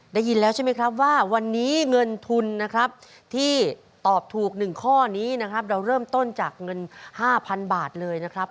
ได้ยินแล้วใช่ไหมครับว่าวันนี้เงินทุนนะครับที่ตอบถูก๑ข้อนี้นะครับเราเริ่มต้นจากเงิน๕๐๐๐บาทเลยนะครับ